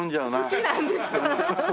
好きなんですか？